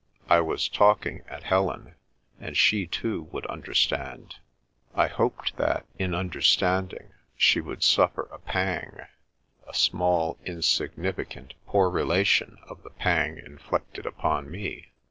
I was talking at Helen, and she, too, would understand. I hoped that, in understand ing, she would suffer a pang, a small, insignificant, poor relation of the pang inflicted upon me.